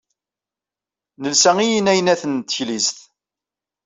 Nesla i yinaynaten n teklizt.